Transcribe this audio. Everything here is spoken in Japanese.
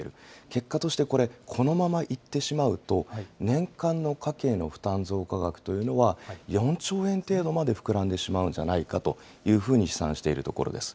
結果としてこれ、このままいってしまうと、年間の家計の負担増加額というのが、４兆円程度まで膨らんでしまうんじゃないかというふうに試算しているところです。